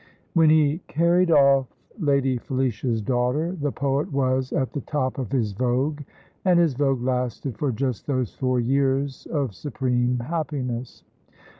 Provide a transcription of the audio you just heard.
When he carried off Lady Felicia's daughter, the poet was at the top of his vogue, and his vogue lasted for just those four years of supreme happiness.